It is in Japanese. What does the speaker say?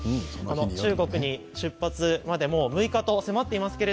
中国に出発まで６日と迫っています。